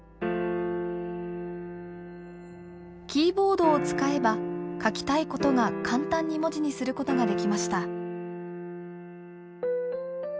キーボードを使えば書きたいことが簡単に文字にすることができました。